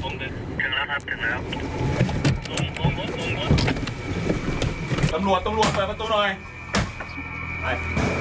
โปรดติดตามตอนต่อไป